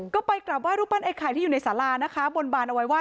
ก็ไปกลับไห้รูปปั้นไอ้ไข่ที่อยู่ในสารานะคะบนบานเอาไว้ว่า